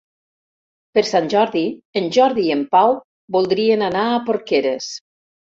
Per Sant Jordi en Jordi i en Pau voldrien anar a Porqueres.